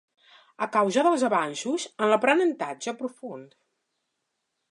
A causa dels avanços en l'aprenentatge profund.